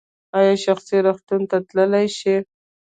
ایا شخصي روغتون ته تللی شئ؟